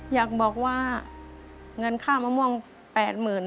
อยากบอกว่าเงินค่ามะม่วง๘๐๐๐บาท